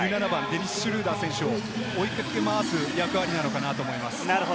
シュルーダー選手を追いかけ回す役割なのかなと思います。